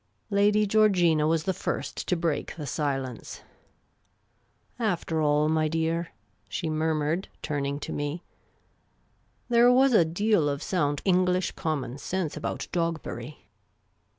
Lady Georgina was the first to break the silence. " After all, my dear," she murmured, turning to me, " there was a deal of sound English common sense about Dogberry